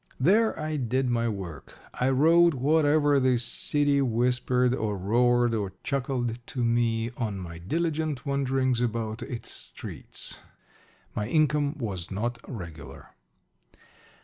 There I did my work. I wrote whatever the city whispered or roared or chuckled to me on my diligent wanderings about its streets. My income was not regular.